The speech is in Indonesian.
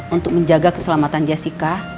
untuk menjaga keselamatan jessica